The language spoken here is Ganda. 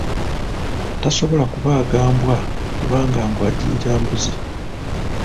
Tasobola kubaaga mbwa kubanga mbu agiyita mbuzi.